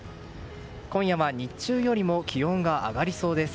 今夜は日中よりも気温が上がりそうです。